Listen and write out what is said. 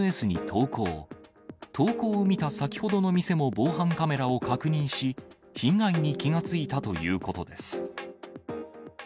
投稿を見た先ほどの店も防犯カメラを確認し、被害に気が付いたということです。